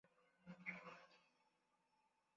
unatakiwa kupata leseni ya huduma za mawasiliano